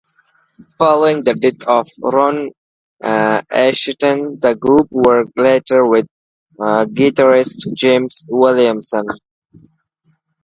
Following the death of Ron Asheton, the group worked later with guitarist James Williamson.